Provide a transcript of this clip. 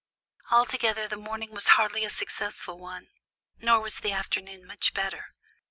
Altogether, the morning was hardly a successful one, nor was the afternoon much better.